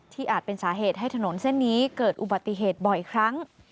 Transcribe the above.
อาจเป็นสาเหตุให้ถนนเส้นนี้เกิดอุบัติเหตุบ่อยครั้ง